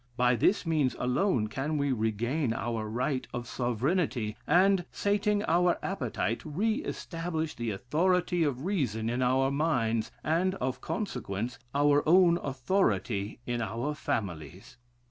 By this means alone can we regain our right of sovereignty and, sating our appetite, re establish the authority of reason in our minds, and, of consequence, our own authority in our families.